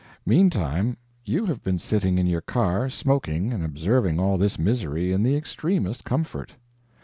Meantime, you have been sitting in your car, smoking, and observing all this misery in the extremest comfort.